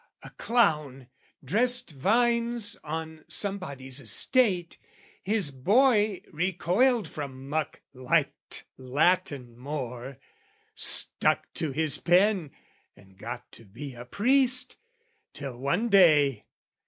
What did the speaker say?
"A clown dressed vines on somebody's estate, "His boy recoiled from muck, liked Latin more, "Stuck to his pen, and got to be a priest, "Till one day...